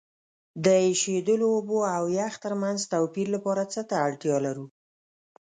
د ایشیدلو اوبو او یخ ترمنځ توپیر لپاره څه ته اړتیا لرو؟